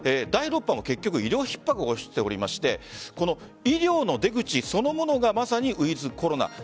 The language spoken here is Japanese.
第６波も結局医療ひっ迫をしていまして医療の出口そのものがまさにウィズコロナ。